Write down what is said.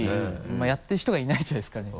まぁやってる人がいないんじゃないですかね。